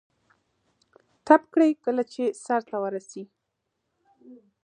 خدای دې خیر کړي، چېرته بړز ونه وهي.